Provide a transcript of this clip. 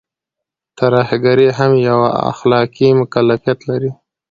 ترهګري هم يو اخلاقي مکلفيت لري.